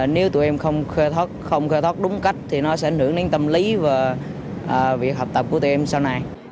nếu tụi em không khơi thoát đúng cách thì nó sẽ ảnh hưởng đến tâm lý và việc học tập của tụi em sau này